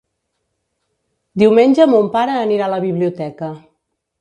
Diumenge mon pare anirà a la biblioteca.